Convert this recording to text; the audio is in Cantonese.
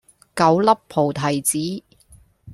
九粒菩提子